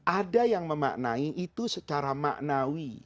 ada yang memaknai itu secara maknawi